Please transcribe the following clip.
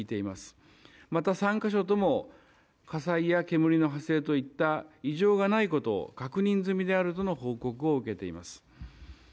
また３か所とも火災や煙の発生といった異常がないことを確認済みであるとの報告を受けています。